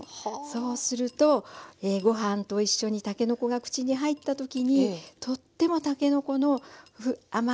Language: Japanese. そうするとご飯と一緒にたけのこが口に入った時にとってもたけのこの甘い香りがしてきます。